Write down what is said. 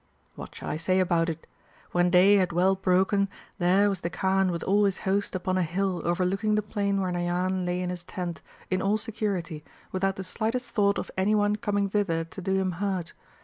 What shall I say about it ? When day had well broken, there was the Kaan with all his host upon a hill overlooking the plain where Nayan lay in his tent, Chap. IV. BATTLE BETWEEN THE KAAN AND NAYAN 337 in all security, without the slightest thought of any one coming thither to do him hurt.